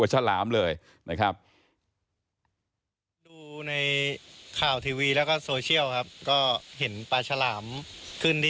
เหมือนจริง